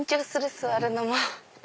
座るのも。